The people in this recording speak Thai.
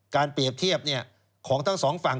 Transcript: การเปรียบเทียบเนี่ยของทั้งสองฝั่ง